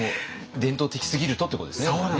伝統的すぎるとっていうことですね。